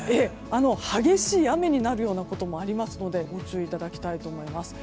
激しい雨になるようなこともありますのでご注意いただきたいと思います。